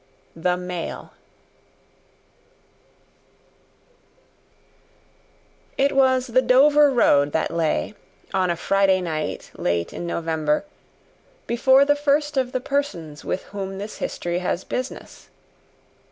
The Mail It was the Dover road that lay, on a Friday night late in November, before the first of the persons with whom this history has business.